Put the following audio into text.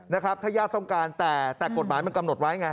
ถ้ายากต้องการแต่กฎหมายมันกำหนดไว้ไง